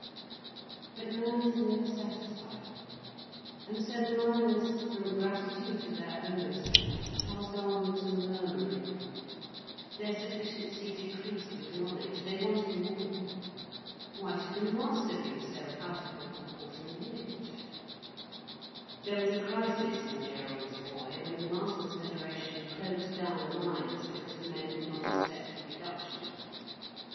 But man is never satisfied, and so the miners, from gratitude to their owners, passed on to murmuring. Their sufficiency decreased with knowledge, they wanted more. Why should the master be so out of all proportion rich? There was a crisis when Gerald was a boy, when the Masters' Federation closed down the mines because the men would not accept a reduction.